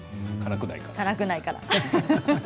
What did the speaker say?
辛くないから。